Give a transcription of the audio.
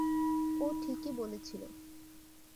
ও ঠিকই বলেছিল।